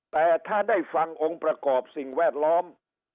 แต่ถ้าได้ฟังองค์ประกอบสิ่งแวดล้อม